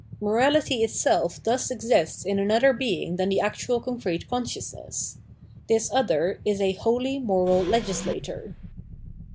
Morality it self thus exists in another being than the actual con crete consciousness. This other is a holy moral legis lator.